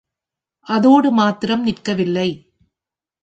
அதோடு மாத்திரம் நிற்கவில்லை.